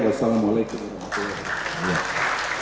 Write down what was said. wassalamu'alaikum warahmatullahi wabarakatuh